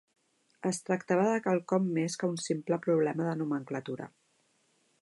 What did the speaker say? Es tractava de quelcom més que un simple problema de nomenclatura.